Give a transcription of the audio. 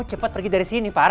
kamu cepat pergi dari sini far